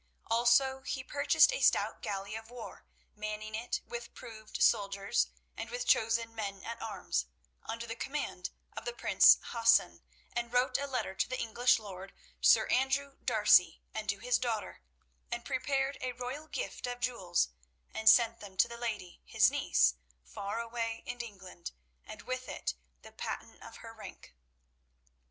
Also he purchased a stout galley of war, manning it with proved sailors and with chosen men at arms, under the command of the Prince Hassan, and wrote a letter to the English lord, Sir Andrew D'Arcy, and to his daughter, and prepared a royal gift of jewels, and sent them to the lady, his niece, far away in England, and with it the Patent of her rank.